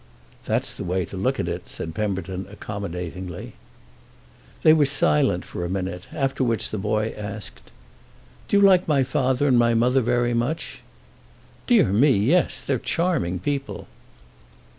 "That's the way to look at it," said Pemberton accommodatingly. They were silent a minute; after which the boy asked: "Do you like my father and my mother very much?" "Dear me, yes. They're charming people."